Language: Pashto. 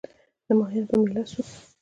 د ماهیانو په مېله سوو